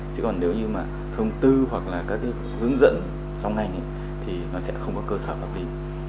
chứ còn nếu như mà thông tư hoặc là các cái hướng dẫn trong ngành thì nó sẽ không có cơ sở pháp lý